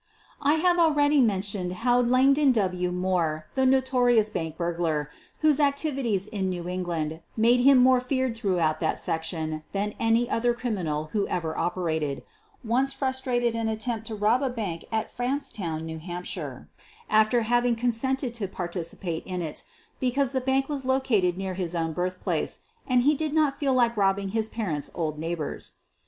I have already mentioned how Langdon W. Moore, the notorious bank burglar, whose activities in New England made him more feared throughout that sec tion than any other criminal who ever operated, once frustrated an attempt to rob a bank at France town, New Hampshire, after having consented to participate in it, because the bank was located near his own birthplace and he did not feel like robbing his parents' old neighbors.